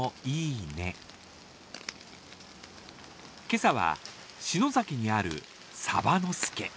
今朝は篠崎にある鯖の助。